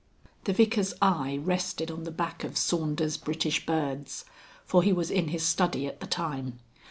The Vicar's eye rested on the back of Saunders' British Birds, for he was in his study at the time.